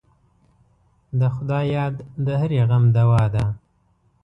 د خدای یاد د هرې غم دوا ده.